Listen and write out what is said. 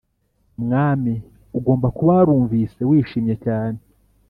mwami. ugomba kuba warumvise wishimye cyane,